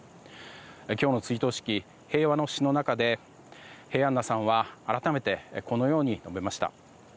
今日の追悼式、平和の詩の中で平安名さんは改めて、このように述べました。